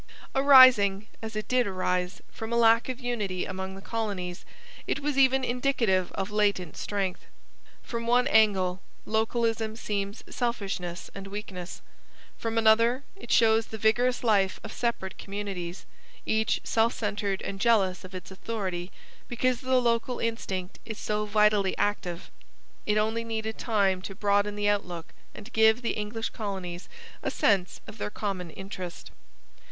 Arising, as it did arise, from a lack of unity among the colonies, it was even indicative of latent strength. From one angle, localism seems selfishness and weakness; from another, it shows the vigorous life of separate communities, each self centred and jealous of its authority because the local instinct is so vitally active. It only needed time to broaden the outlook and give the English colonies a sense of their common interest.